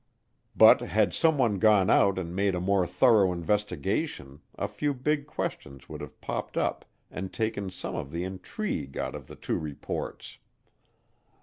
But had someone gone out and made a more thorough investigation a few big questions would have popped up and taken some of the intrigue out of the two reports.